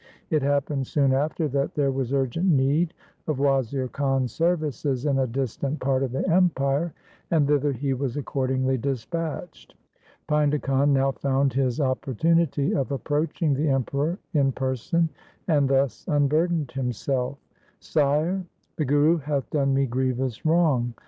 It happened soon after, that there was urgent need of Wazir Khan's services in a distant part of the empire, and thither he was accordingly dispatched. Painda Khan now found his opportunity of approaching the Emperor in person, and thus unburdened himself :' Sire, the Guru hath done me grievous wrong.